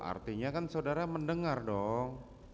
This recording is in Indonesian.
artinya kan saudara mendengar dong